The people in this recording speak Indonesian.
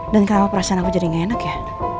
dan kenapa perasaan aku jadi gak enak ya